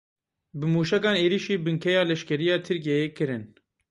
Bi mûşekan êrişî binkeya leşkeriya Tirkiyeyê kirin.